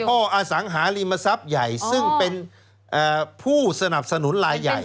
อสังหาริมทรัพย์ใหญ่ซึ่งเป็นผู้สนับสนุนลายใหญ่